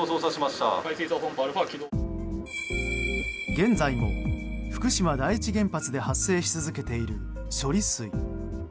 現在も福島第一原発で発生し続けている処理水。